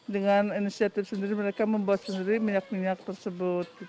dengan inisiatif sendiri mereka membuat sendiri minyak minyak tersebut